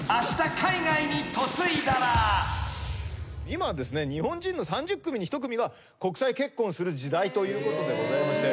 今ですね日本人の３０組に１組が国際結婚をする時代ということでございまして。